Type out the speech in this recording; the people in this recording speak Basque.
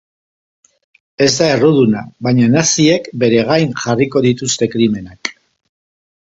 Ez da erruduna baina naziek bere gain jarriko dituzte krimenak.